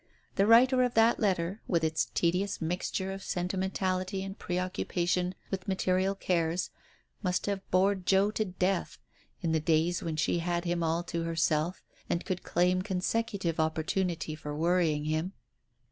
The writer of that letter, with its tedious mixture of senti mentality and preoccupation with material cares, must have bored Joe to death, in the days when she had him all to herself and could claim consecutive opportunity for worrying him.